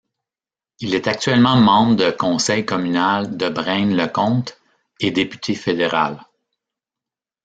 Il est actuellement membre de Conseil communal de Braine-le-Comte et député fédéral.